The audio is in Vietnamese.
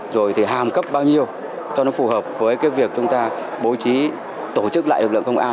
rồi thì hàm cấp bao nhiêu cho nó phù hợp với cái việc chúng ta bố trí tổ chức lại lực lượng công an